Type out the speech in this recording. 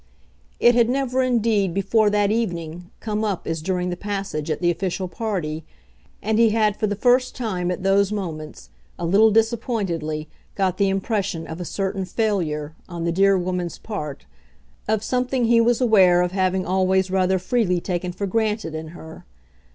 It had never indeed, before that evening, come up as during the passage at the official party, and he had for the first time at those moments, a little disappointedly, got the impression of a certain failure, on the dear woman's part, of something he was aware of having always rather freely taken for granted in her.